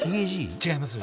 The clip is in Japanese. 違います。